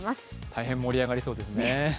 大変盛り上がりそうですね。